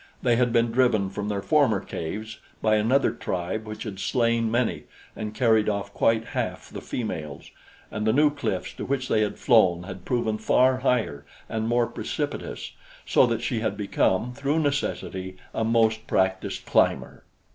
They had been driven from their former caves by another tribe which had slain many and carried off quite half the females, and the new cliffs to which they had flown had proven far higher and more precipitous, so that she had become, through necessity, a most practiced climber.